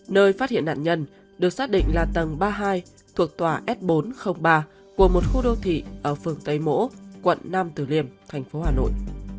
nơi phát hiện nạn nhân được xác định là tầng ba mươi hai thuộc tòa s bốn trăm linh ba của một khu đô thị ở phường tây mỗ quận năm tử liềm tp hà nội